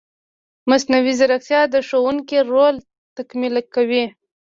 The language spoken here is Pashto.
مصنوعي ځیرکتیا د ښوونکي رول تکمیلي کوي.